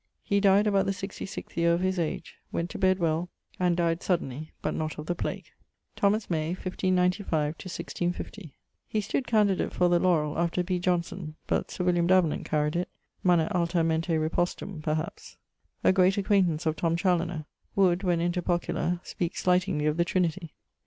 He dyed about the 66th yeare of his age: went to bed well, and dyed suddenly but not of the plague. =Thomas May= (1595 1650). He stood candidate for the laurell after B. Jonson; but Sir William Davenant caried it manet alta mente repostum, perhaps. A great acquaintance of Tom Chaloner. Would, when inter pocula, speake slightingly of the Trinity.